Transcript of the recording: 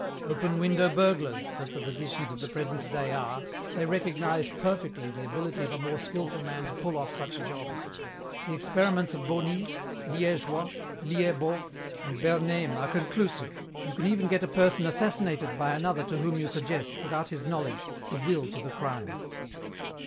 'Open window burglars' that the physicians of the present day are, they recognize perfectly the ability of a more skilful man to pull off such jobs. The experiments of Beaunis, Liégois, Liébaut, and Bernheim are conclusive: you can even get a person assassinated by another to whom you suggest, without his knowledge, the will to the crime."